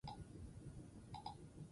Baina nola egiten dute lan?